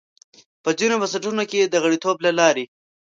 په ځینو بنسټونو کې د غړیتوب له لارې.